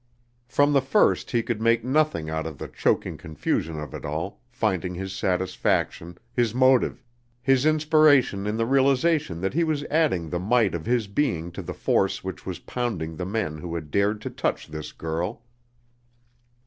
From the first he could make nothing out of the choking confusion of it all, finding his satisfaction, his motive, his inspiration in the realization that he was adding the might of his being to the force which was pounding the men who had dared to touch this girl.